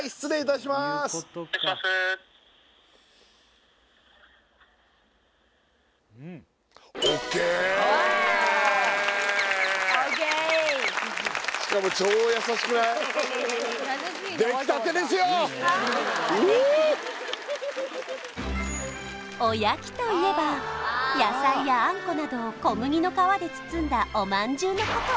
しかもおやきといえば野菜やあんこなどを小麦の皮で包んだおまんじゅうのこと